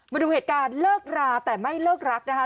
มาดูเหตุการณ์เลิกราแต่ไม่เลิกรักนะคะ